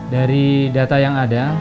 dari data yang ada